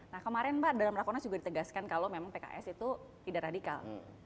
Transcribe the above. nah kemarin pak dalam rakonas juga ditegaskan kalau memang pks itu tidak radikal